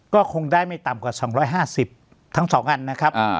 ก็คงได้ไม่ต่ำกว่าสองร้อยห้าสิบทั้งสองอันนะครับอ่า